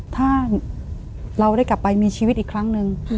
ถ้าเราได้กลับไปมีชีวิตอีกครั้งหนึ่ง